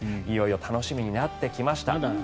いよいよ楽しみになってきました。